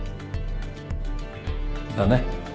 だね。